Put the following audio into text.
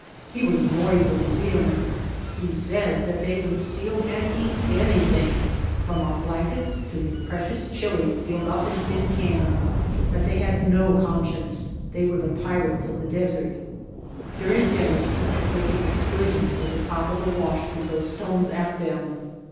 He was noisily vehement. He said that they would steal and eat anything from our blankets to his precious chilies sealed up in tin cans; that they had no conscience, they were the pirates of the desert. During dinner he kept making excursions to the top of the wash to throw stones at them.